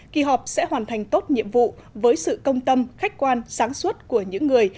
kỳ họp sẽ hoàn thành tốt nhiệm vụ với sự công tâm khách quan sáng suốt của những người